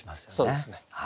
そうですね。